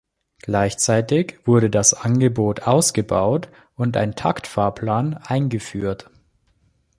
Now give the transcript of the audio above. Gleichzeitig wurde das Angebot ausgebaut und ein Taktfahrplan eingeführt.